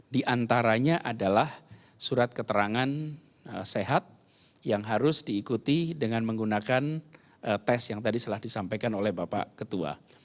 di antaranya adalah surat keterangan sehat yang harus diikuti dengan menggunakan tes yang tadi telah disampaikan oleh bapak ketua